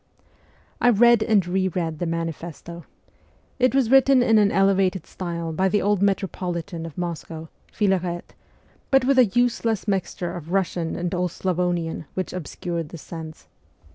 I read and re read the manifesto. It was written in an elevated style by the old metropolitan of Moscow, Philarete, but with a useless mixture of Eussian and old Slavonian which obscured the sense.